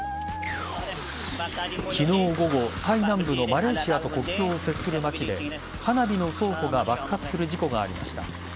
昨日午後、タイ南部のマレーシアと国境を接する町で花火の倉庫が爆発する事故がありました。